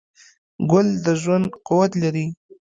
ګل د ژوند قوت لري.